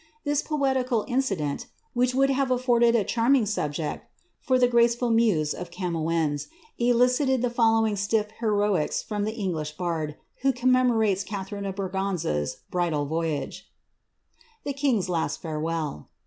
Tliis poetical incident, which would have aflbnicd a charming subject for the graceful muse of Gamoeos, elicited the following stiff heroics from the English bard, who commefflontes Catharine of Braganza's bridal voyage :— THE KI!rO*S LAST rAmSWlLL.